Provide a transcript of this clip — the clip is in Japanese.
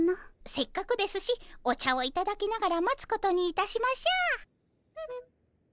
せっかくですしお茶をいただきながら待つことにいたしましょう。